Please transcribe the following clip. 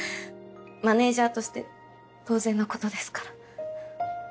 マネージャーとして当然のことですから。